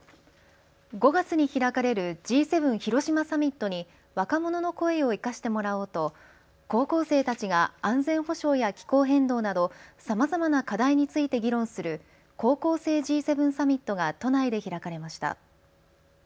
５月に開かれるＧ７広島サミットに若者の声を生かしてもらおうと高校生たちが安全保障や気候変動などさまざまな課題について議論する高校生Ｇ７サミットが都内で開かれました。